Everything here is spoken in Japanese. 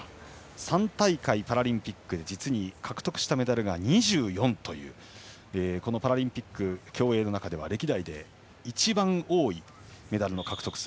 ３大会、パラリンピックで獲得したメダルが実に２４というこのパラリンピック競泳の中では歴代一番多いメダル獲得数。